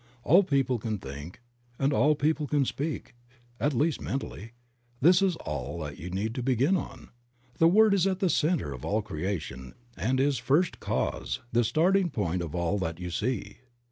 All people can think, and all people can speak, at least mentally; this is all that you need to begin on. The word is at the center of all creation and is first cause, the starting point of all that you see.